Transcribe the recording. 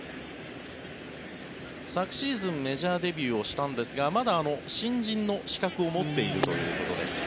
昨シーズンメジャーデビューをしたんですがまだ新人の資格を持っているということで。